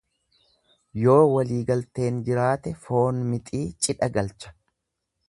Yoo waliigalteen jiraate foon mixii cidha galcha.